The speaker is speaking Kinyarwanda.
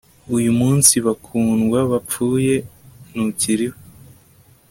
Uyu munsi bakundwa bapfuye ntukiriho